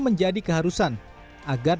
menjadi keharusan agar